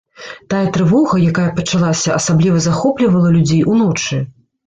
Тая трывога, якая пачалася, асабліва захоплівала людзей уночы.